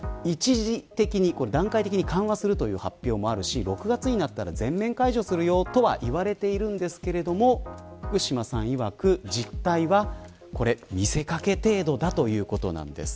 段階的に緩和するという発表もあるし６月になったら全面解除するとは言われているんですが福島さんいわく、実態は見せ掛け程度だということです。